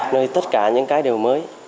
nơi tất cả những cái đều mới